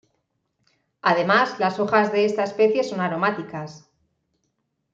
Además las hojas de esta especie son aromáticas.